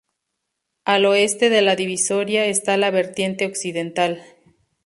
Al oeste de la Divisoria está la vertiente occidental.